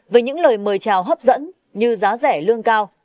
với những lời mời chào hấp dẫn như giá rẻ lương cao